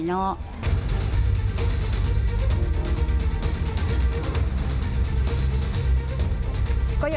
โดย